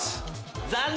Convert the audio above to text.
残念！